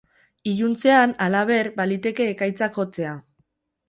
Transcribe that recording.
Iluntzean, halaber, baliteke ekaitzak jotzea.